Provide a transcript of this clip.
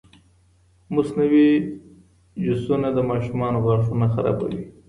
مصنوعي جوسونه د ماشومانو غاښونه خرابوي.